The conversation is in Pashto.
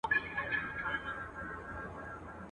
قاضي پخپله کونه ورکول، نوروته ئې نصيحت کاوه.